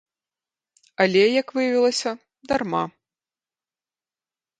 Але, як выявілася, дарма.